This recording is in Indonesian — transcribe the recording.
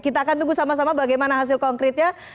kita akan tunggu sama sama bagaimana hasil konkretnya